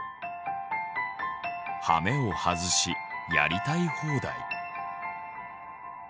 はめを外しやりたい放題。